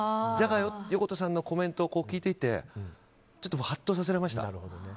ジャガー横田さんのコメントを聞いていてちょっとハッとさせられました。